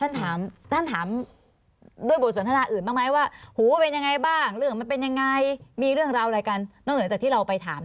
น่าจะได้ดูใช่ไหม